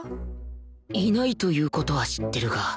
いないという事は知ってるが